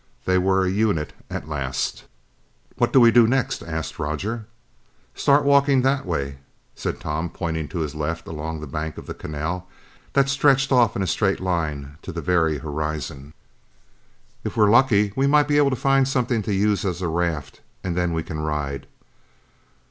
They were a unit at last. "What do we do next?" asked Roger. "Start walking that way," said Tom, pointing to his left along the bank of the canal that stretched off in a straight line to the very horizon. "If we're lucky, we might be able to find something to use as a raft and then we can ride."